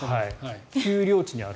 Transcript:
丘陵地にある。